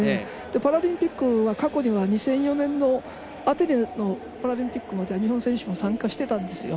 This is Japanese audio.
パラリンピックは過去には２００４年のアテネのパラリンピックでは日本選手も参加してたんですよ。